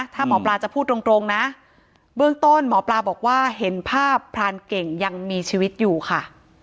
ถ้าหมอปลาจะพูดตรงนะเบื้องต้นหมอปลาบอกว่าเห็นภาพพรานเก่งยังมีชีวิตอยู่ค่ะ